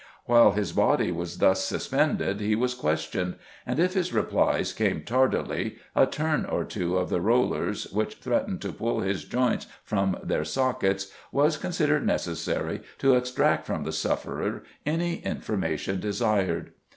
While his body was thus suspended he was questioned, and if his replies came tardily a turn or two of the rollers, which threatened to pull his joints from their sockets, was considered necessary to extract from the sufferer any information desired.